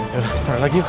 yaudah taruh lagi yuk